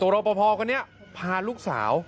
รอบภกันเนี่ยพาลูกสาว